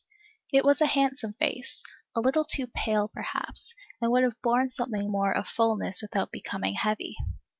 It was a handsome face, a little too pale, perhaps, and would have borne something more of fulness without becoming heavy.